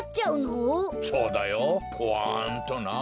そうだよポワンとな。